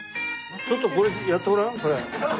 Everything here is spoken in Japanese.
ちょっとやってごらんこれ。